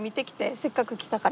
せっかく来たから。